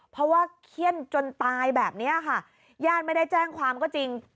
เพราะว่าเขี้ยนจนตายแบบนี้ค่ะญาติไม่ได้แจ้งความก็จริง